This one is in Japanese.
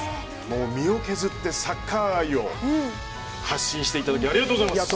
身を削ってサッカー愛を発信していただきありがとうございます。